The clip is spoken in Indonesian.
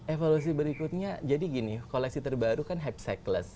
evolusi berikutnya jadi gini koleksi terbaru kan hype cycless